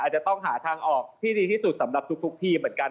จะต้องหาทางออกที่ดีที่สุดสำหรับทุกทีมเหมือนกัน